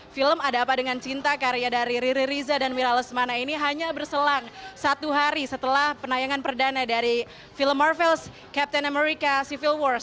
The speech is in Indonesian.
film ada apa dengan cinta karya dari riri riza dan mira lesmana ini hanya berselang satu hari setelah penayangan perdana dari film marvels captain america civil wars